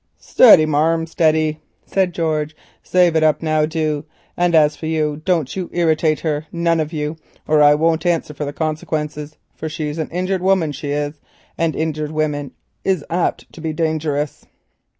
"Steady, marm, steady," said George. "Save it up now, do, and as for you, don't you irritate her none of yer, or I won't answer for the consequences, for she's an injured woman she is, and injured women is apt to be dangerous."